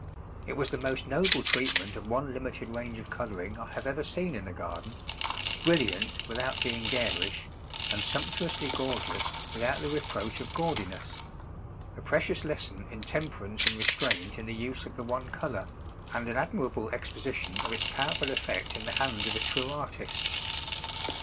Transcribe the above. It was the most noble treatment of one limited range of colouring I have ever seen in a garden; brilliant without being garish, and sumptuously gorgeous without the reproach of gaudiness a precious lesson in temperance and restraint in the use of the one colour, and an admirable exposition of its powerful effect in the hands of a true artist.